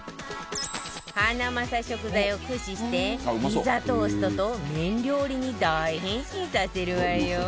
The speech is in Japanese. ハナマサ食材を駆使してピザトーストと麺料理に大変身させるわよ